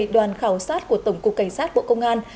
đoàn khảo sát của tổng cục cảnh sát bộ công an